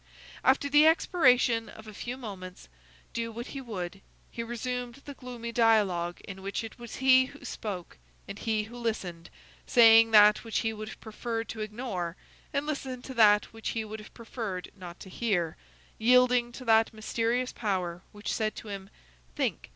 After the expiration of a few moments, do what he would, he resumed the gloomy dialogue in which it was he who spoke and he who listened, saying that which he would have preferred to ignore, and listened to that which he would have preferred not to hear, yielding to that mysterious power which said to him: "Think!"